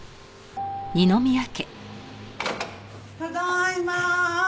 ただいま。